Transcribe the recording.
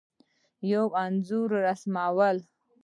یو انځور رسمول